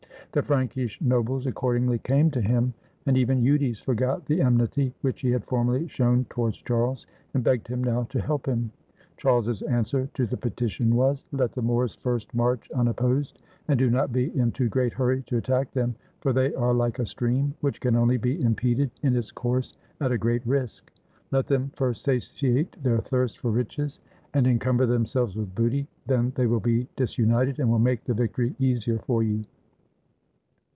The Frankish nobles accordingly came to him, and even Eudes forgot the enmity which he had formerly shown towards Charles, and begged him now to help him. Charles's answer to the petition was: "Let the Moors first march unopposed, and do not be in too great hurry to attack them, for they are Hke a stream, which can only be impeded in its course at a great risk. Let them first satiate their thirst for riches, and encum ber themselves with booty; then they will be disunited, and will make the victory easier for you!"